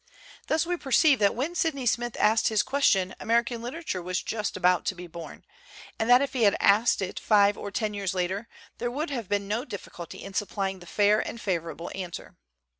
Thus we perceive that when Sydney Smith asked his question American literature was just about to be born; and that if he had asked it five or ten years later there would have been no difficulty in supplying the fair and favorable answer.